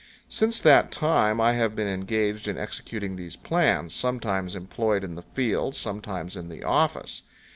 Since that time I have been engaged in executing these plans, sometimes employed in the field, sometimes in the office.